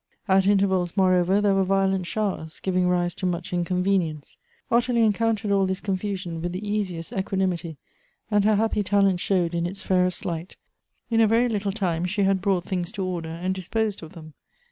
At intervals, moreover, there were violent showers, giving rise to much inconvenience. Ottilie encountered all this confusion with the easiest equanimity, and her happy talent showed in its fairest light. In a very little time she had brought things to order, and disposed of them.